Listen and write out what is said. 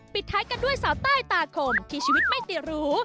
ปิดท้ายกันด้วยสาวใต้ตาคมที่ชีวิตไม่ติดหรู